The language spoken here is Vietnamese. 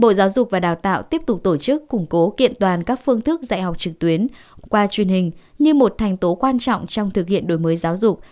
bộ giáo dục và đào tạo tiếp tục tổ chức củng cố kiện toàn các phương thức dạy học trực tuyến qua truyền hình như một thành tố quan trọng trong thực hiện đổi mới giáo dục